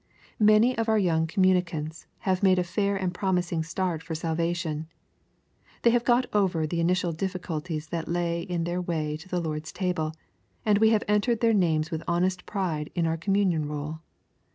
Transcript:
Many of our young communicants have made a fair and a promising start for salvation. They have got over the initial difficulties that lay in their way to the Lord's table, and we have entered their names with honest pride in our communion roll.